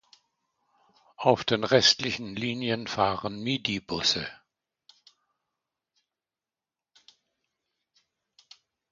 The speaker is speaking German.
Auf den restlichen Linien fahren Midibusse.